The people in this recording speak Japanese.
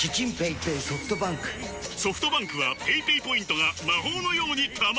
ソフトバンクはペイペイポイントが魔法のように貯まる！